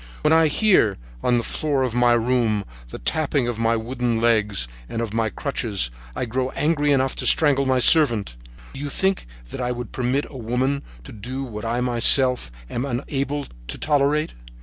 When I hear, on the floor of my room, the tapping of my wooden legs and of my crutches, I grow angry enough to strangle my servant. Do you think that I would permit a woman to do what I myself am unable to tolerate?